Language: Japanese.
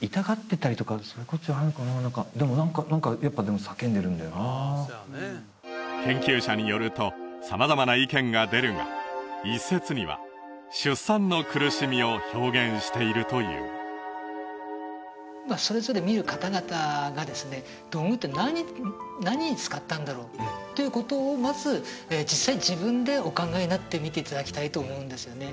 痛がってたりとかそういうことじゃないかなでも何かやっぱ叫んでるんだよな研究者によると様々な意見が出るが一説には出産の苦しみを表現しているというそれぞれ見る方々がですね土偶って何に使ったんだろうっていうことをまず実際自分でお考えになってみていただきたいと思うんですよね